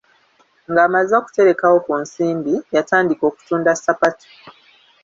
Ng'amaze okuterekawo ku nsimbi, yatandika okutunda ssapatu.